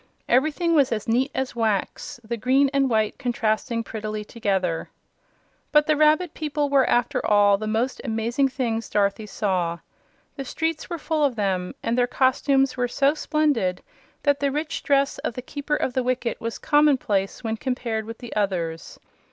Everything was as neat as wax, the green and white contrasting prettily together. But the rabbit people were, after all, the most amazing things Dorothy saw. The streets were full of them, and their costumes were so splendid that the rich dress of the Keeper of the Wicket was commonplace when compared with the others.